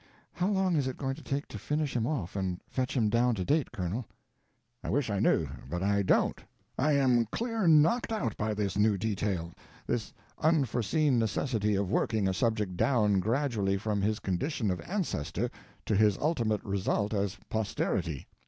"How long is it going to take to finish him off and fetch him down to date, Colonel?" "I wish I knew, but I don't. I am clear knocked out by this new detail—this unforeseen necessity of working a subject down gradually from his condition of ancestor to his ultimate result as posterity.